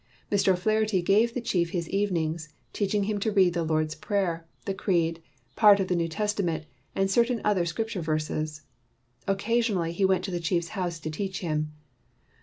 Mr. O 'Flaherty gave the chief his evenings, teaching him to read the Lord's Prayer, the Creed, part of the New Testament, and cer tain other Scripture verses. Occasionally he went to the chief's home to teach him.